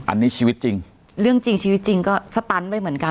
อันนี้ชีวิตจริงเรื่องจริงชีวิตจริงก็สตันไปเหมือนกัน